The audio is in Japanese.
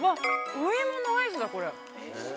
お芋のアイスだ、これ。